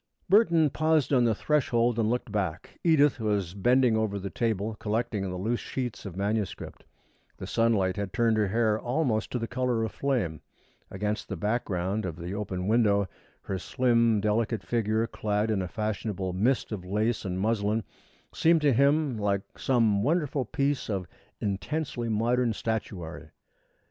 Burton paused on the threshold and looked back. Edith was bending over the table, collecting the loose sheets of manuscript. The sunlight had turned her hair almost to the color of flame. Against the background of the open window, her slim, delicate figure, clad in a fashionable mist of lace and muslin, seemed to him like some wonderful piece of intensely modern statuary.